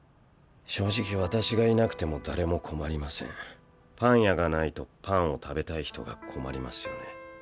正直私がいなくても誰も困りませんパン屋がないとパンを食べたい人が困りますよね。